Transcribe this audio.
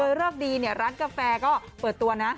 โดยเริ่มดีร้านกาแฟก็เปิดตัวนะ